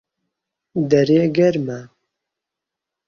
دەرێ گەرمە؟